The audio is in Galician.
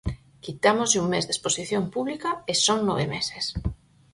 Quitámoslle un mes de exposición pública, e son nove meses.